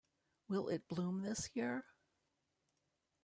Will it bloom this year?